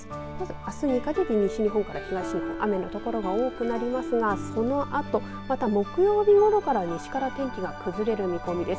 あすにかけて西日本から東日本雨の所が多くなりますがそのあと、また木曜日ごろから西から天気が崩れる見込みです。